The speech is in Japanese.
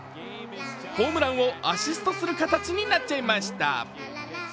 ホームランをアシストする形になっちゃいました。